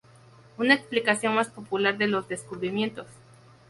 Una explicación más popular de sus descubrimientos.